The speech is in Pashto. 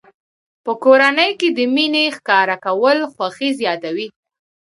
په کورنۍ کې د مینې ښکاره کول خوښي زیاتوي.